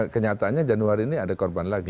kenyataannya januari ini ada korban lagi